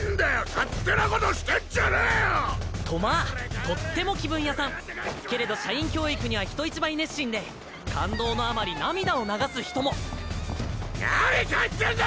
勝手なことしてんじゃねぇよ！とまあとっても気分屋さんけれど社員教育には人一倍熱心で感動のあまり涙を流す人も何帰ってんだ